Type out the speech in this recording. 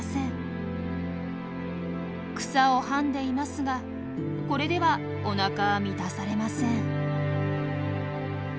草をはんでいますがこれではおなかは満たされません。